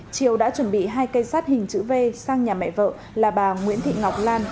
triều đã chuẩn bị hai cây sát hình chữ v sang nhà mẹ vợ là bà nguyễn thị ngọc lan